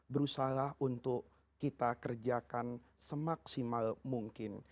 berusahalah untuk kita kerjakan semaksimal mungkin